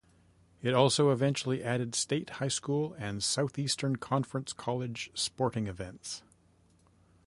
It also eventually added state high school and Southeastern Conference college sporting events.